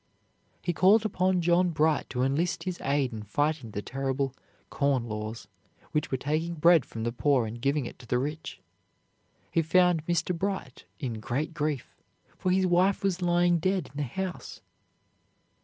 He called upon John Bright to enlist his aid in fighting the terrible "Corn Laws" which were taking bread from the poor and giving it to the rich. He found Mr. Bright in great grief, for his wife was lying dead in the house.